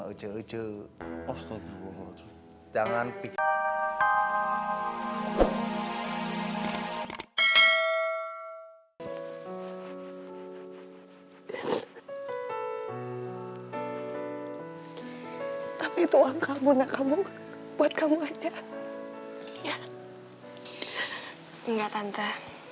jejek jejek jangan pikir tapi itu angka muda kamu buat kamu aja ya enggak tante